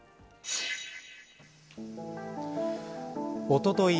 おととい